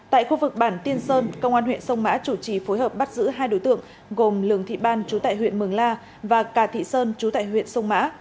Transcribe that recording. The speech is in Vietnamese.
tại khu vực bản tiên sơn công an huyện sông mã chủ trì phối hợp bắt giữ hai đối tượng gồm lường thị ban chú tại huyện mường la và cà thị sơn chú tại huyện sông mã